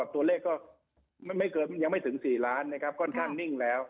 ตัวเลขไม่ถึง๔ล้านค่อนข้างนิ่งแล้ว